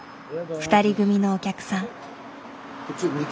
２人組のお客さん。